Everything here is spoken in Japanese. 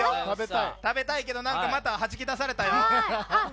食べたいけどまたはじき出されたよ。